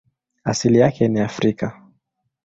Asili yake ni Afrika.